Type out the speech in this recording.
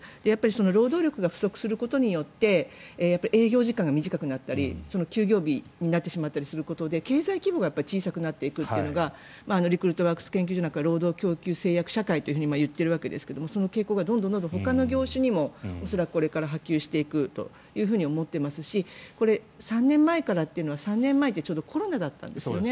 労働力が不足することによって営業時間が短くなったり休業日になってしまうことで経済規模が小さくなっていくというのがリクルートワークス研究所なんか労働供給制約社会といっているわけですがその傾向がどんどんほかの業種にも恐らくこれから波及していくと思いますしこれ、３年前からというのは３年前って、ちょうどコロナだったんですよね。